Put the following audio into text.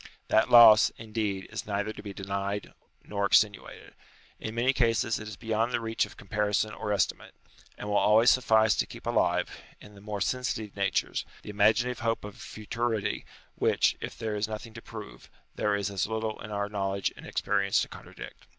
That loss, indeed, is neither to be denied nor extenu ated. In many cases it is beyond the reach of com parison or estimate ; and will always suffice to keep alive, in the more sensitive natures, the imaginative hope of a futurity which, if there is nothing to prove, there is as little in our knowledge and experience to contradict.